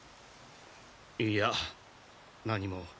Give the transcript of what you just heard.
いや何も。